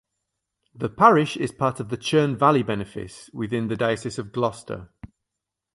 The parish is part of the Churn Valley benefice within the Diocese of Gloucester.